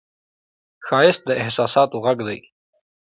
ښایست د احساساتو غږ دی